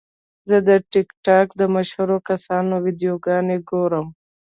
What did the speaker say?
زه د ټک ټاک د مشهورو کسانو ویډیوګانې ګورم.